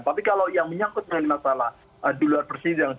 tapi kalau yang menyangkut dengan masalah di luar persidangan